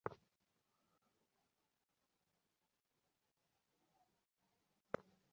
আমরা সকলেই তো পতঞ্জলির মতে ম্লেচ্ছ হয়েছি।